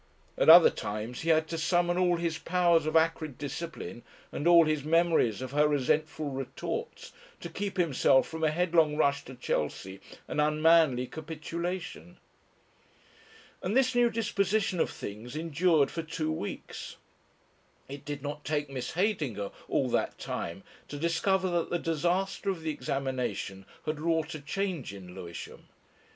At other times he had to summon all his powers of acrid discipline and all his memories of her resentful retorts, to keep himself from a headlong rush to Chelsea and unmanly capitulation. And this new disposition of things endured for two weeks. It did not take Miss Heydinger all that time to discover that the disaster of the examination had wrought a change in Lewisham.